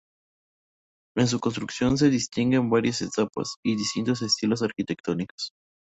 En su construcción se distinguen varias etapas y distintos estilos arquitectónicos.